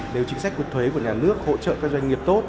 nếu chính sách của thuế của nhà nước hỗ trợ các doanh nghiệp tốt